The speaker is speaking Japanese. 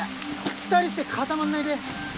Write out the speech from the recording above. ２人して固まんないで。